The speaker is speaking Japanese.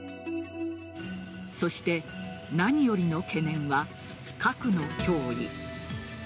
そして何よりの懸念は核の脅威。